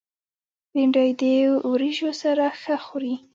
بېنډۍ د وریژو سره ښه خوري